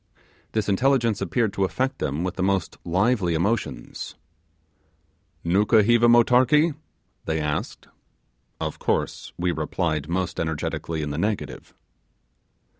This intelligence appeared to affect them with the most lively emotions. 'Nukuheva motarkee?' they asked. Of course we replied most energetically in the negative.